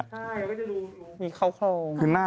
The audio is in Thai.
ใช่มันก็ดูมีคล้อง